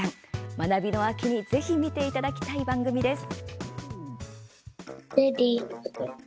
学びの秋にぜひ見ていただきたい番組です。